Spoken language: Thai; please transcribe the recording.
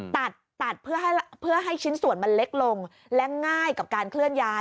ตัดตัดเพื่อให้ชิ้นส่วนมันเล็กลงและง่ายกับการเคลื่อนย้าย